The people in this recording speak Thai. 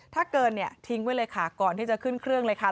ถ้าเกินเนี่ยทิ้งไว้เลยค่ะก่อนที่จะขึ้นเครื่องเลยค่ะ